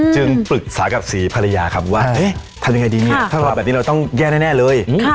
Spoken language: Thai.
ปรึกษากับศรีภรรยาครับว่าเอ๊ะทำยังไงดีเนี่ยถ้าทำแบบนี้เราต้องแย่แน่เลย